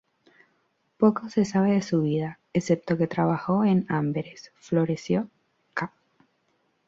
Poco se sabe de su vida, excepto que trabajó en Amberes, "floreció" ca.